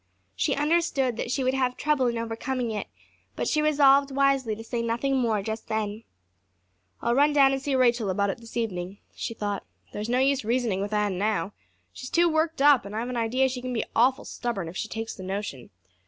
She understood that she would have trouble in overcoming it; but she re solved wisely to say nothing more just then. "I'll run down and see Rachel about it this evening," she thought. "There's no use reasoning with Anne now. She's too worked up and I've an idea she can be awful stubborn if she takes the notion.